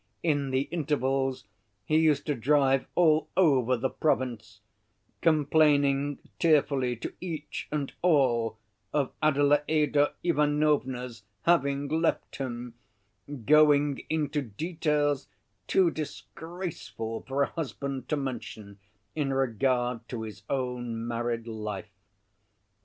In the intervals he used to drive all over the province, complaining tearfully to each and all of Adelaïda Ivanovna's having left him, going into details too disgraceful for a husband to mention in regard to his own married life.